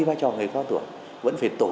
vai trò người cao tuổi vẫn phải tổ